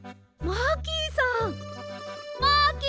マーキーさん！